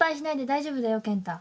大丈夫だよ健太。